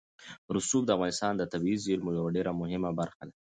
رسوب د افغانستان د طبیعي زیرمو یوه ډېره مهمه برخه ده.